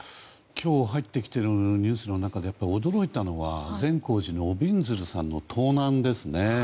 今日、入ってきているニュースの中で驚いたのは善光寺のびんずるさんの盗難ですね。